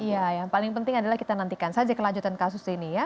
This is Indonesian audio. iya yang paling penting adalah kita nantikan saja kelanjutan kasus ini ya